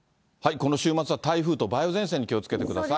この週末は台風と梅雨前線に気をつけてください。